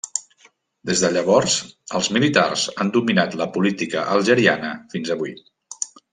Des de llavors, els militars han dominat la política algeriana fins avui.